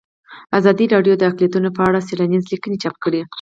ازادي راډیو د اقلیتونه په اړه څېړنیزې لیکنې چاپ کړي.